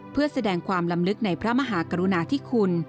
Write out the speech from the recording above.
เพื่อแสดงความลำลึกในพระมหากรุณาธิคุณ